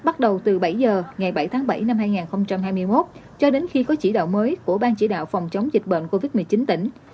bắt đầu từ bảy h ngày bảy tháng bảy năm hai nghìn hai mươi một cho đến khi có chỉ đạo mới của ban chỉ đạo phòng chống dịch bệnh covid một mươi chín tỉnh